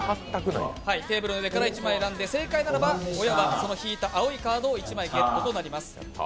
テーブルの上から１枚選んで正解なら親はその引いた青いカードを１枚ゲットとなります。